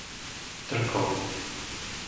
Trnkov